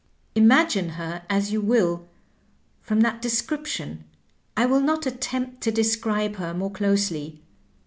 Imagine her as you will from that description ; I will not attempt to describe her more closely.